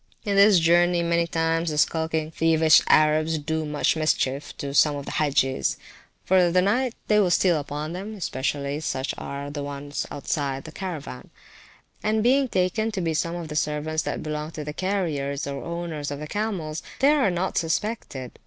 In this journey many times the skulking, thievish, Arabs do much mischief to some of the Hagges; for in the night time they will steal upon them (especially such as are on the outside of the Caravan), and being taken to be some of the servants that belong to the carriers, or owners of the camels, they are not suspected.